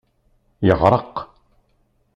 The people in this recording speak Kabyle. Yeɣreq.